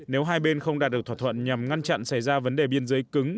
nếu hai bên không đạt được thỏa thuận nhằm ngăn chặn xảy ra vấn đề biên giới cứng